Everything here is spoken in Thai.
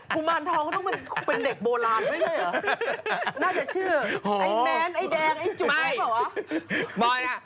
คุณมารทองก็ต้องเป็นเด็กโบราณน่าจะชื่อไอ้แมนไอ้แดงไอ้จุ๊บได้ใช่เปล่า